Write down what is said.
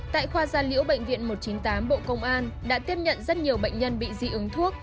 tại khoa gia liễu bệnh viện một trăm chín mươi tám bộ công an đã tiếp nhận rất nhiều bệnh nhân bị dị ứng thuốc